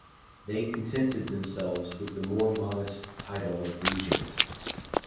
They contented themselves with the more modest title of regent.